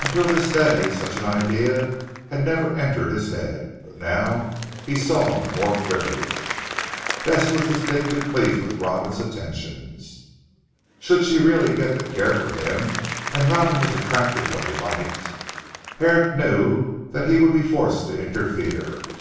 Until this day such an idea had never entered his head: but now he saw more clearly. Bess was distinctly pleased with Robin's attentions. Should she really get to care for him (and Robin was attractive when he liked) Herrick knew that he would be forced to interfere.